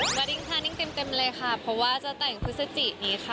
สวัสดีค่ะนิ่งเต็มเลยค่ะเพราะว่าจะแต่งพฤศจินี้ค่ะ